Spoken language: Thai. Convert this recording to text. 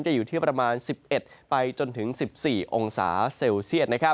อยู่ที่ประมาณ๑๑ไปจนถึง๑๔องศาเซลเซียต